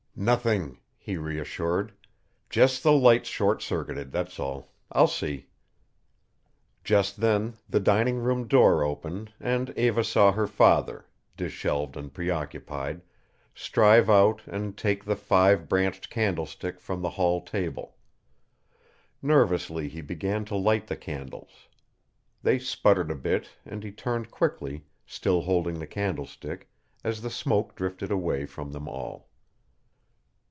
"Nothing," he reassured. "Just the lights short circuited, that's all. I'll see." Just then the dining room door opened and Eva saw her father, disheveled and preoccupied, stride out and take the five branched candlestick from the hall table. Nervously he began to light the candles. They sputtered a bit and he turned quickly, still holding the candlestick, as the smoke drifted away from them all.